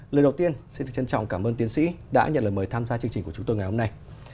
lời đầu tiên xin trân trọng cảm ơn tiến sĩ đã nhận lời mời tham gia chương trình của chúng tôi ngày hôm nay